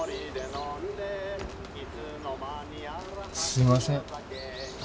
すいません。